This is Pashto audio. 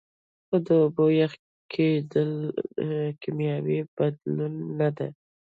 خو د اوبو یخ کیدل کیمیاوي بدلون نه دی